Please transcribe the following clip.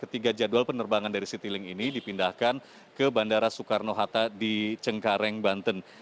ketiga jadwal penerbangan dari citylink ini dipindahkan ke bandara soekarno hatta di cengkareng banten